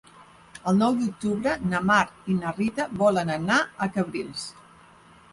El nou d'octubre na Mar i na Rita volen anar a Cabrils.